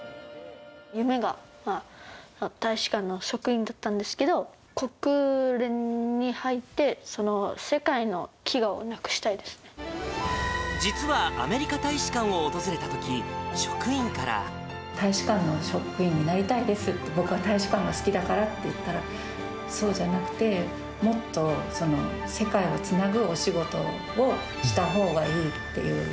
夢が大使館の職員だったんですけど、国連に入って、実はアメリカ大使館を訪れた大使館の職員になりたいですって、僕は大使館が好きだからって言ったら、そうじゃなくて、もっと世界をつなぐお仕事をしたほうがいいっていう。